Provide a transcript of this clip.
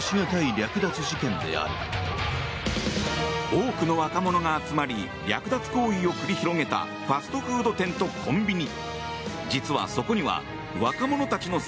多くの若者が集まり略奪行為を繰り広げたファストフード店とコンビニ。